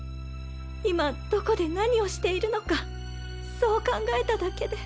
今どこで何をしているのかそう考えただけで。